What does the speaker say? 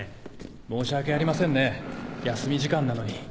申し訳ありませんね休み時間なのに。